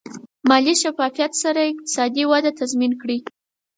مالي شفافیت سره اقتصادي وده تضمین کړئ.